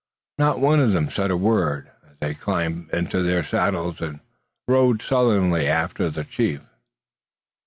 Not one of them said a word, as they climbed into their saddles, and rode sullenly after the chief.